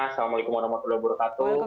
assalamualaikum warahmatullahi wabarakatuh